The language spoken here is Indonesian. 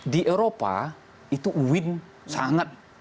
di eropa itu uin sangat